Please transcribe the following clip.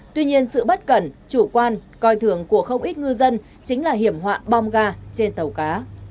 tuy nhiên sự bất cẩn chủ quan coi thường của không ít ngư dân chính là hiểm họa bom ga trên tàu cá